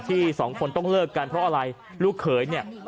ที่สองคนต้องเลิกกันเพราะอะไรลูกเขยเนี่ย